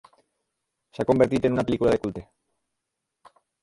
S'ha convertit en una pel·lícula de culte.